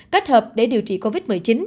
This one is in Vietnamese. kết hợp để điều trị covid một mươi chín